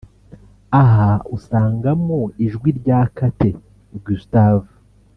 Aha usangamo ijwi rya Kate Gustave